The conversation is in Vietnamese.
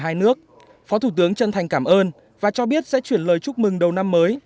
hai nước phó thủ tướng chân thành cảm ơn và cho biết sẽ chuyển lời chúc mừng đầu năm mới